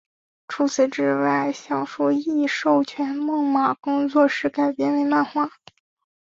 除此之外该小说亦授权梦马工作室改编为漫画。